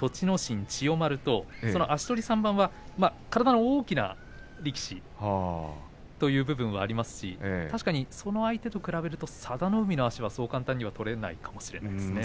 心、千代丸と確かに足取り３番は体の大きな力士という部分がありますし確かに佐田の海と比べると佐田の海の足はそう簡単には取れないかもしれませんね。